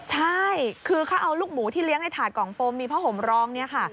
ใช่คือเขาเอาลูกหมูที่เลี้ยงในถาดกล่องโฟมมีผ้าห่มรองเนี่ยค่ะ